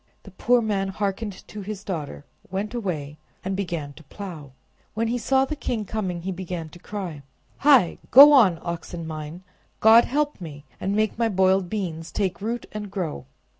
The poor man hearkened to his daughter, went away, and began to plow. When he saw the king coming he began to cry— "Hi, go on, oxen mine! God help me, and make my boiled beans take root and grow!"